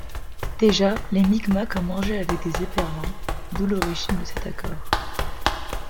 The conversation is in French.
Déjà, les Micmacs en mangeaient avec des éperlans, d'où l'origine de cet accord.